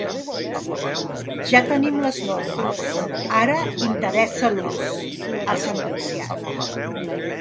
“Ja tenim les normes, ara interessa l’ús”, ha sentenciat.